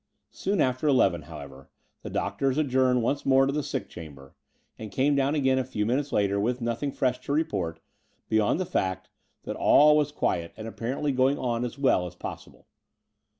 Soon after eleven, however, the doctors ad journed once more to the sick chamber — ^and came down again a few minutes later with nothing fresh to report beyond the fact that all was quiet and 82 The Door of the Unreal apparently going on as well as possible.